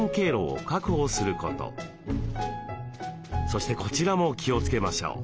そしてこちらも気をつけましょう。